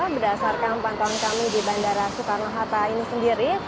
berdasarkan pantauan kami di bandara soekarno hatta ini sendiri